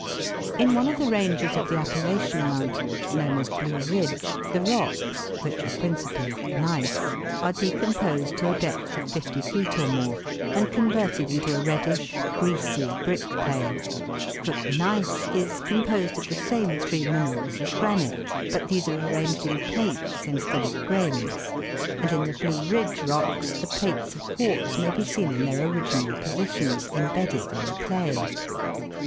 In one of the ranges of the Appalachian mountains, known as Blue Ridge, the rocks (which are principally gneiss) are decomposed to a depth of fifty feet or more, and converted into a reddish, greasy, brick clay ; for gneiss is composed of the same three minerals as granite, but these are arranged in plates instead of grains, and in the Blue Ridge rocks the plates of quartz may be seen in their original positions, embedded in clay.